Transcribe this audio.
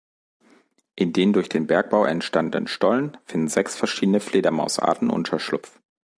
In den durch den Bergbau entstandenen Stollen finden sechs verschiedene Fledermausarten Unterschlupf.